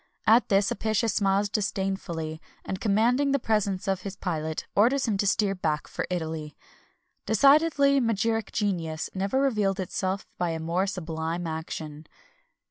At this Apicius smiles disdainfully, and commanding the presence of his pilot, orders him to steer back for Italy.[XXI 260] Decidedly magiric genius never revealed itself by a more sublime action.